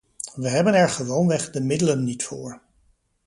We hebben er gewoonweg de middelen niet voor.